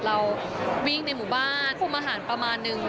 เราวิ่งในหมู่บ้านคุมอาหารประมาณนึง